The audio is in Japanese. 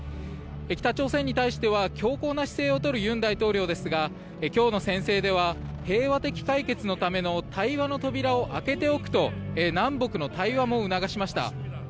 北朝鮮に対しては強硬な姿勢を取る尹大統領ですが今日の宣誓では平和的解決のための対話の扉を開けておくと南北の対話も促しました。